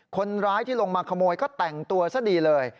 คนร้ายที่ลงมาขโมยก็แต่งตัวซะดีเลย